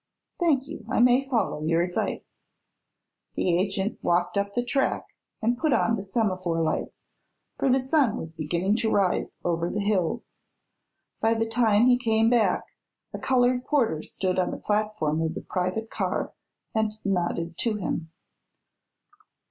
"Thank you; I may follow your advice." The agent walked up the track and put out the semaphore lights, for the sun was beginning to rise over the hills. By the time he came back a colored porter stood on the platform of the private car and nodded to him.